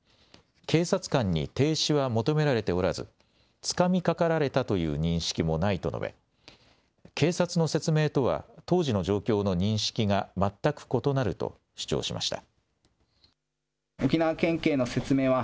警察官に停止は求められておらず、つかみかかられたという認識もないと述べ、警察の説明とは当時の状況の認識が全く異なると主張しました。